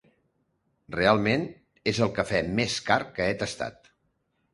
Realment, és el cafè més car que he tastat.